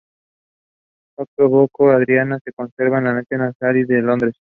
Otro "Baco y Ariadna" se conserva en la National Gallery de Londres.